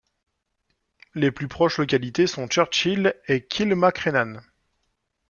Les plus proches localités sont Churchill et Kilmacrennan.